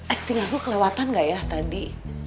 eik tinggal gue kelewatan gak ya tadi